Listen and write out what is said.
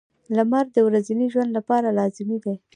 • لمر د ورځني ژوند لپاره لازمي دی.